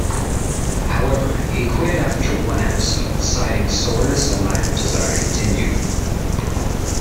However, he quit after one episode, citing soreness and lack of desire to continue.